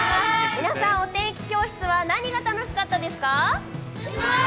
皆さん、お天気教室は何が楽しかったですか？